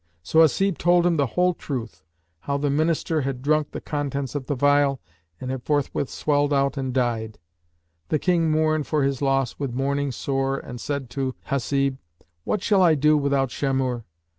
So Hasib told him the whole truth how the Minister had drunk the contents of the phial and had forthwith swelled out and died. The King mourned for his loss with mourning sore and said to Hasib, "What shall I do without Shamhur?"